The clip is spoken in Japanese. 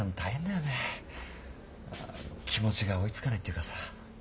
気持ちが追いつかないっていうかさ。